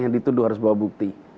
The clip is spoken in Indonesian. yang dituduh harus bawa bukti